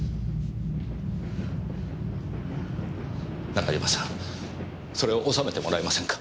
中島さんそれを収めてもらえませんか？